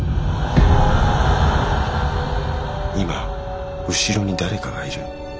今後ろに誰かがいる。